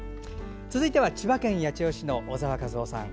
続いては千葉県八千代市の小澤一雄さん。